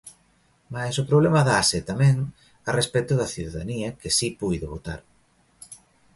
Mais o problema dáse, tamén, a respecto da cidadanía que si puido votar.